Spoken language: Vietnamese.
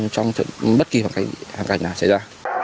trong bất kỳ hoàn cảnh nào xảy ra